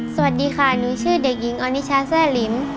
สวัสดีค่ะหนูชื่อเด็กหญิงออนิชาแซ่หลิม